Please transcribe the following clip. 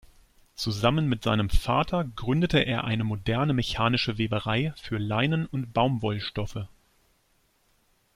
Zusammen mit seinem Vater gründete er eine moderne mechanische Weberei für Leinen und Baumwollstoffe.